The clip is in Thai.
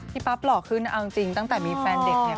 ปั๊บหล่อขึ้นเอาจริงตั้งแต่มีแฟนเด็กเนี่ย